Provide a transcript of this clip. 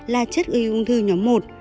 là chất ưu ung thư nhóm một